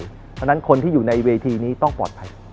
เพราะฉะนั้นคนที่อยู่ในเวทีนี้ต้องปลอดภัย